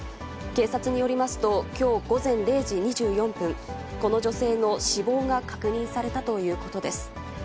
警察によりますと、きょう午前０時２４分、この女性の死亡が確認されたということです。